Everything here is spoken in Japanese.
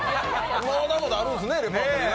まだまだあるんですね、レパートリー、ね。